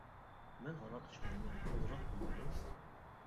— مەن ھاراق ئىچمەيمەن، ئازراق پۇل بېرىڭ.